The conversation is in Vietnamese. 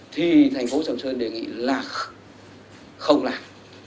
thì thành phố sầm sơn đề nghị là không làm